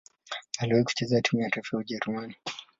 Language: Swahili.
Aliwahi kucheza timu ya taifa ya Ujerumani.